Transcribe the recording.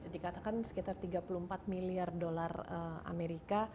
dikatakan sekitar tiga puluh empat miliar dolar amerika